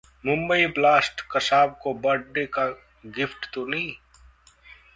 Mumbai blast Kasab को birthday का gift तो नहीं?